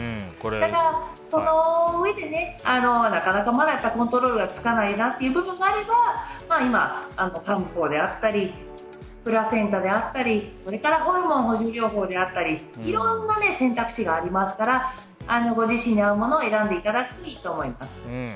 だから、そのうえでなかなかコントロールがつかないなっていう部分があれば今、漢方であったりプラセンタであったりそれからホルモン補充療法であったりいろんな選択肢がありますからご自身に合うものを選んでいただけるといいと思います。